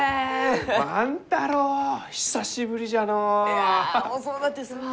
いや遅うなってすまん。